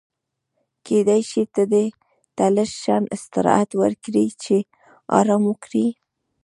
کېدای شي ته دې ته لږ شان استراحت ورکړې چې ارام وکړي.